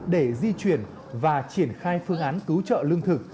để di chuyển và triển khai phương án cứu trợ lương thực